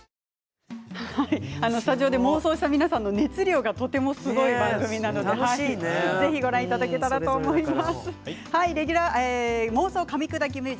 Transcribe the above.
スタジオで妄想した皆さんの熱量はとてもすごい番組なのでぜひご覧いただけたらと思います。